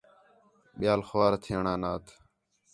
ٻیال خوار تھیݨ آنات